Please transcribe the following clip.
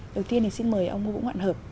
đầu tiên thì xin mời ông vũ vũ ngoạn hợp